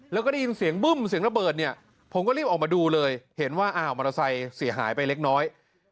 แล้วก็ได้ยินเสียงบึ้มเสียงระเบิดเนี่ยผมก็รีบออกมาดูเลยเห็นว่าอ้าวมอเตอร์ไซค์เสียหายไปเล็กน้อย